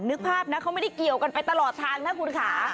นึกภาพนะเขาไม่ได้เกี่ยวกันไปตลอดทางนะคุณค่ะ